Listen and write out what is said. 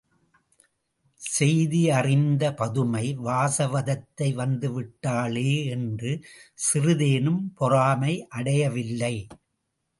செய்தியறிந்த பதுமை, வாசவதத்தை வந்துவிட்டாளே! என்று சிறிதேனும் பொறாமை அடையவில்லை.